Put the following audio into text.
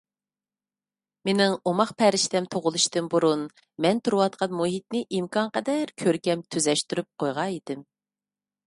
مېنىڭ ئوماق پەرىشتەم تۇغۇلۇشتىن بۇرۇن، مەن تۇرۇۋاتقان مۇھىتنى ئىمكانقەدەر كۆركەم تۈزەشتۈرۈپ قويغانىدىم.